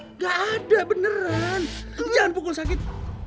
enggak ada beneran jangan pukul sakit